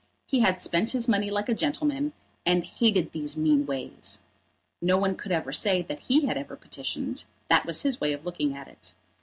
He had spent his money like a gentleman, and hated these mean ways. No one could ever say that he had ever petitioned. That was his way of looking at it.